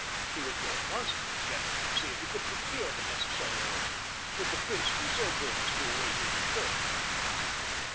He would go at once to the general and see if he could procure the necessary order. Would the prince be so good as to await his return?